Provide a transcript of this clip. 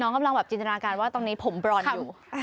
กำลังแบบจินตนาการว่าตรงนี้ผมบรอนอยู่